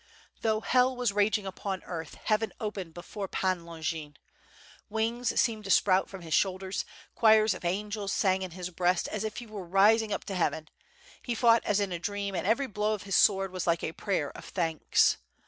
Though hell was raging upon earth, heaven opened before Pan Longin. Wings seemed to sprout from his shoulders; choirs of angels sang in his breast, as if he were rising up to heaven; he fought aa in a dream and every blow of his sword was like a prayer of thanks.